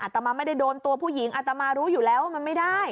ตมาไม่ได้โดนตัวผู้หญิงอัตมารู้อยู่แล้วว่ามันไม่ได้